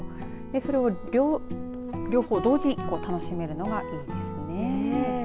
それを両方を同時に楽しめるのがいいですよね。